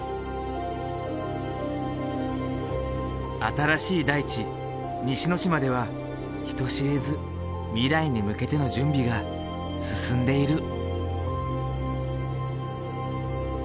新しい大地西之島では人知れず未来に向けての準備が進んでいる。